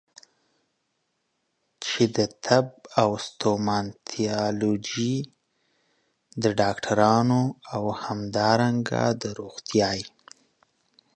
چې د طب او ستوماتولوژي د ډاکټرانو او همدارنګه د روغتيايي